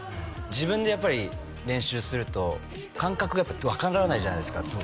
自分でやっぱり練習すると感覚がやっぱ分からないじゃないですか